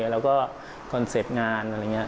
แล้วก็กอนเสพงานอะไรอย่างนี้